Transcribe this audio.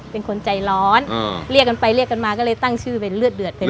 เป็นคนใจร้อนเรียกกันไปเรียกกันมาก็เลยตั้งชื่อเป็นเลือดเดือดไปเลย